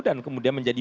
dan kemudian menjadi